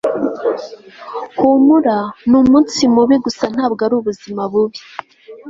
humura, ni umunsi mubi gusa ntabwo ari ubuzima bubi